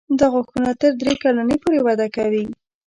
دا غاښونه تر درې کلنۍ پورې وده کوي.